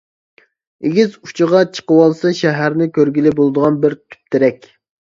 ئېگىز ئۇچىغا چىقىۋالسا شەھەرنى كۆرگىلى بولىدىغان بىر تۈپ تېرەك.